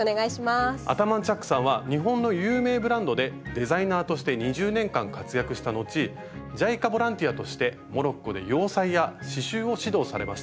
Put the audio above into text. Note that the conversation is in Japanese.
アタマンチャックさんは日本の有名ブランドでデザイナーとして２０年間活躍した後ＪＩＣＡボランティアとしてモロッコで洋裁や刺しゅうを指導されました。